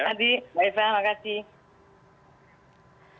baik pak adi baik pak eva terima kasih